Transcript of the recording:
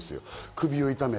首を痛めて。